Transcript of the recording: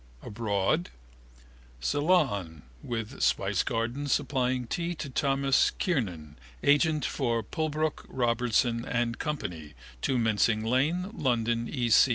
Abroad? Ceylon (with spicegardens supplying tea to Thomas Kernan, agent for Pulbrook, Robertson and Co, 2 Mincing Lane, London, E.